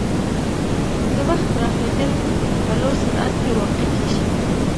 د وخت پراخېدل په لوړ سرعت کې واقع کېږي.